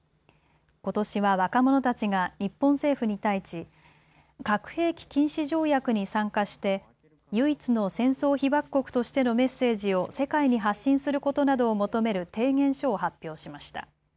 ことしは若者たちが日本政府に対し、核兵器禁止条約に参加して唯一の戦争被爆国としてのメッセージを世界に発信することなどを求める提言書を発表しました。